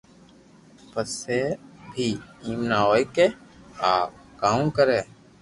پسي بي ايم نہ ھوئي ڪي آ ڪاو ڪري